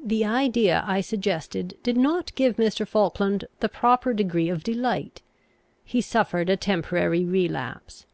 The idea I suggested did not give Mr. Falkland the proper degree of delight. He suffered a temporary relapse.